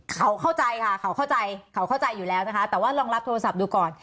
เขาเข้าใจค่ะเขาเข้าใจเขาเข้าใจอยู่แล้วนะคะแต่ว่าลองรับโทรศัพท์ดูก่อน